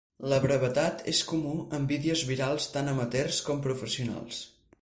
La brevetat és comú en vídeos virals tan amateurs com professionals.